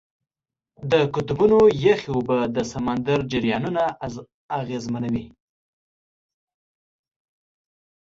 د قطبونو یخ اوبه د سمندر جریانونه اغېزمنوي.